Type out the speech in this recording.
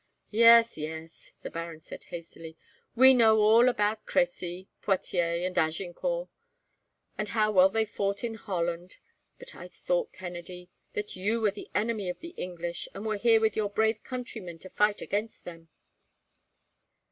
"Yes, yes," the baron said, hastily. "We know all about Crecy, Poitiers, and Agincourt; and how well they fought in Holland; but I thought, Kennedy, that you were the enemy of the English, and were here with your brave countrymen to fight against them."